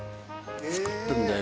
作ってんだよ